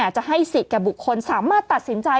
จะให้สิทธิแก่บุคคลสามารถตัดสินใจ